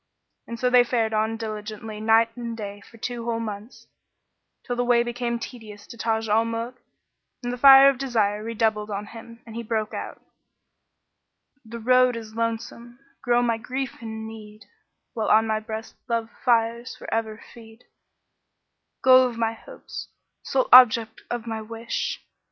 And so they fared on diligently night and day for two whole months, till the way became tedious to Taj al Muluk and the fire of desire redoubled on him; and he broke out, "The road is lonesome; grow my grief and need, * While on my breast love fires for ever feed: Goal of my hopes, sole object of my wish!